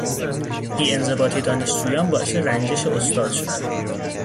بیانضباطی دانشجویان باعث رنجش استاد شد.